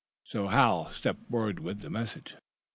So Hal stepped forward with the message.